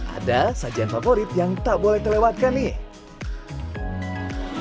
ada sajian favorit yang tak boleh terlewatkan nih